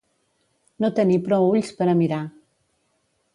No tenir prou ulls per a mirar.